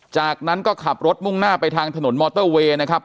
จากนั้นก็ขับรถมุ่งหน้าไปทางถนนมอเตอร์เวย์นะครับ